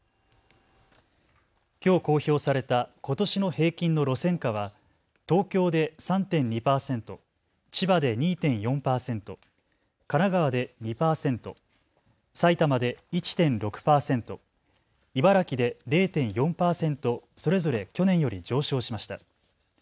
きょう公表されたことしの平均の路線価は東京で３．２％、千葉で２．４％、神奈川で２％、埼玉で１．６％、茨城で０．４％、それぞれ去年より上昇しました。